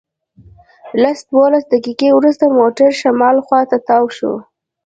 لس دولس دقیقې وروسته موټر شمال خواته تاو شو.